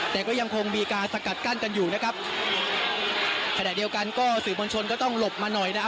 แต่ก็ยังคงมีการสกัดกั้นกันอยู่นะครับขณะเดียวกันก็สื่อมวลชนก็ต้องหลบมาหน่อยนะฮะ